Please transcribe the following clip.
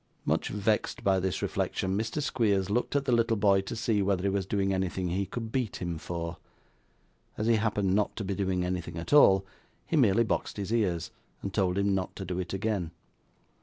Much vexed by this reflection, Mr. Squeers looked at the little boy to see whether he was doing anything he could beat him for. As he happened not to be doing anything at all, he merely boxed his ears, and told him not to do it again.